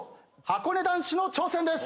はこね男子の挑戦です。